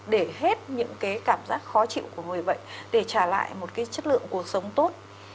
để hết những cái cảm giác khó chịu của người bệnh để trả lại một cái chất lượng cuộc sống tốt